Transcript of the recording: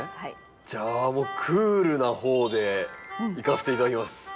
じゃあクールな方でいかせて頂きます。